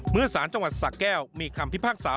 สารจังหวัดสะแก้วมีคำพิพากษา